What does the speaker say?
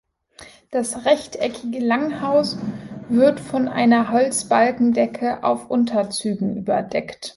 Das rechteckige Langhaus wird von einer Holzbalkendecke auf Unterzügen überdeckt.